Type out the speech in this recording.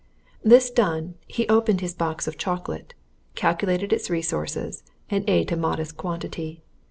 This done, he opened his box of chocolate, calculated its resources, and ate a modest quantity.